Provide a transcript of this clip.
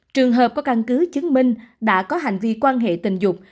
trường hợp có căn cứ chứng minh đã có hành vi quan hệ tình dục